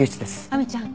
亜美ちゃん